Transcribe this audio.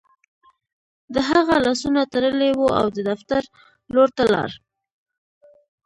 د هغه لاسونه تړلي وو او د دفتر لور ته لاړ